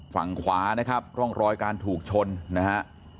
ฝั่งขวานะครับร่องรอยการถูกชนนะฮะ